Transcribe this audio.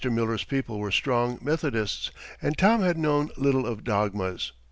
Miller's people were strong Methodists, and Tom had known little of dogmas.